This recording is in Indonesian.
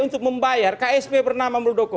untuk membayar ksp bernama muldoko